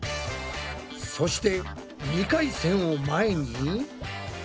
そして２回戦を前に。